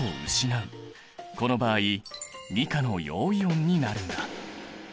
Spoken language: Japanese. この場合２価の陽イオンになるんだ。